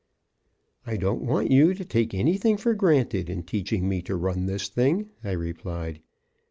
"I don't want you to take anything for granted in teaching me to run this thing," I replied.